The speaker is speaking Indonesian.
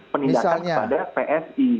penindakan kepada psi